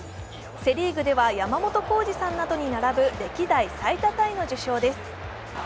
セ・リーグでは山本浩二さんなどに並ぶ歴代最多タイの受賞です。